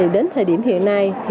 đến thời điểm hiện nay